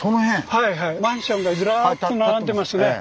はいはいマンションがずらっと並んでますね。